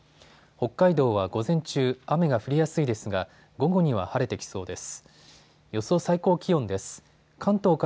北海道は午前中、雨が降りやすいですが午後には晴れてきそうです。